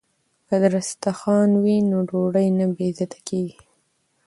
که دسترخوان وي نو ډوډۍ نه بې عزته کیږي.